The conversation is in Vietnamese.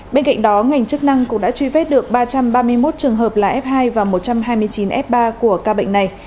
bên cạnh đó ngành chức năng cũng đã truy vết được ba trăm ba mươi một trường hợp là f hai và một trăm hai mươi chín f ba của ca bệnh này